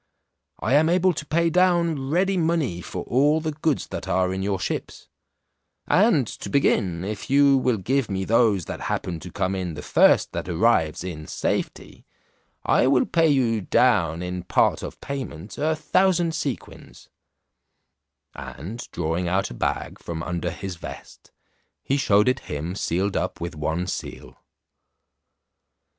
I am able to pay down ready money for all the goods that are in your ships: and to begin, if you will give me those that happen to come in the first that arrives in safety, I will pay you down in part of payment a thousand sequins," and drawing out a bag from under his vest, he shewed it him sealed up with one seal.